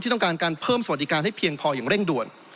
ต้องการการเพิ่มสวัสดิการให้เพียงพออย่างเร่งด่วน